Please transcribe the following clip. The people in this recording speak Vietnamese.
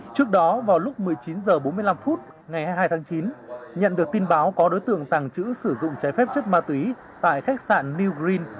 trước đó vào lúc một mươi chín h bốn mươi năm phút ngày hai mươi hai tháng chín nhận được tin báo có đối tượng tàng trữ sử dụng trái phép chất ma túy tại khách sạn new green